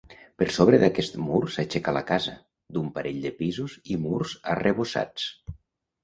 Per sobre d'aquest mur s'aixeca la casa, d'un parell de pisos i murs arrebossats.